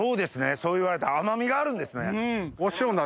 そう言われたら甘みがあるんですね。